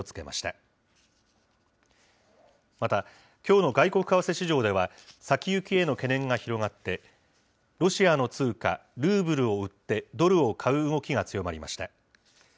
また、きょうの外国為替市場では、先行きへの懸念が広がって、ロシアの通貨、ルーブルを売ってドルを買う動きが強まりました。